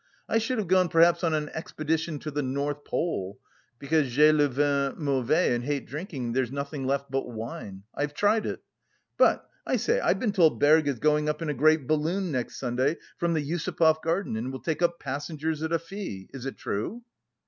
I should have gone perhaps on an expedition to the North Pole, because j'ai le vin mauvais and hate drinking, and there's nothing left but wine. I have tried it. But, I say, I've been told Berg is going up in a great balloon next Sunday from the Yusupov Garden and will take up passengers at a fee. Is it true?"